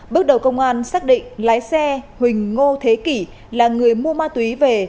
bước đầu công an xác định lái xe huỳnh ngô thế kỷ là người mua ma túy về